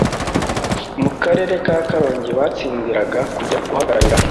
Mu Karere ka Karongi batsindiraga kujya guhagararira